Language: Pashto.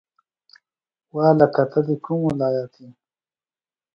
وا هلکه ته د کوم ولایت یی